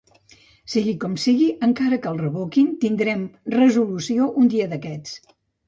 Sigui com sigui, encara que el revoquin, tindrem resolució un dia d’aquests.